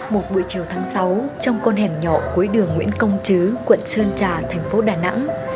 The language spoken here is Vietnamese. một buổi chiều tháng sáu trong con hẻm nhỏ cuối đường nguyễn công chứ quận sơn trà thành phố đà nẵng